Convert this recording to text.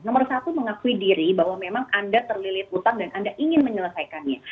nomor satu mengakui diri bahwa memang anda terlilit utang dan anda ingin menyelesaikannya